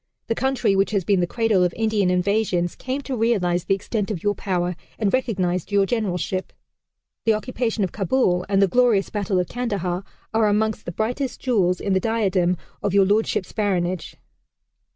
The country which has been the cradle of Indian invasions came to realize the extent of your power and recognized your generalship. ... The occupation of Kabul and the glorious battle of Kandahar are amongst the brightest jewels in the diadem of Your Lordship's Baronage.